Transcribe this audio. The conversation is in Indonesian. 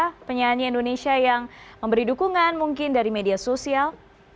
ada penyanyi indonesia yang memberi dukungan mungkin dari media sosial